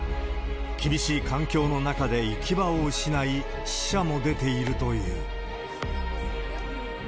厳しい環境の中で行き場を失い、死者も出ているという。